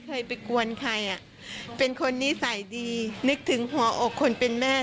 เคยไปกวนใครอ่ะเป็นคนนิสัยดีนึกถึงหัวอกคนเป็นแม่